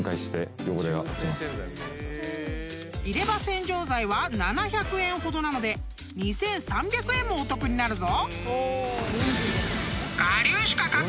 ［入れ歯洗浄剤は７００円ほどなので２，３００円もお得になるぞ］